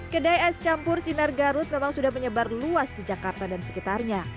kedai es campur sinar garut memang sudah menyebar luas di jakarta dan sekitarnya